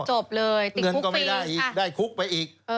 จบเลยติดเงินก็ไม่ได้อีกได้คุกไปอีก